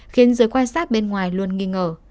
khiến giới quan sát bên ngoài luôn nghi ngờ